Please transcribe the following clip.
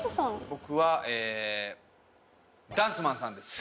僕はダンス☆マンさんです。